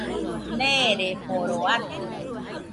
Neereforo atɨ